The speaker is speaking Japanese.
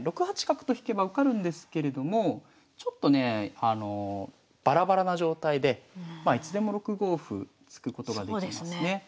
６八角と引けば受かるんですけれどもちょっとねえバラバラな状態でいつでも６五歩突くことができますね。